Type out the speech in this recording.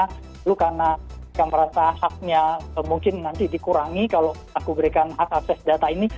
lalu karena yang merasa haknya mungkin nanti dikurangi kalau aku berikan hak akses data ini